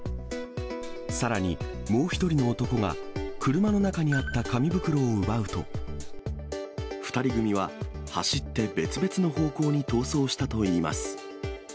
さらに、もう１人の男が車の中にあった紙袋を奪うと、２人組は走って別々の方向に逃走したといいます。